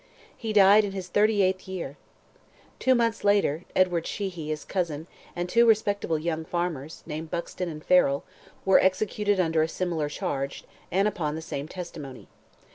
He died in his thirty eighth year. Two months later, Edward Sheehy, his cousin, and two respectable young farmers, named Buxton and Farrell, were executed under a similar charge, and upon the same testimony.